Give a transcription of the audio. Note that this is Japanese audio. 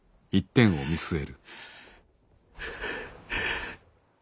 はあ。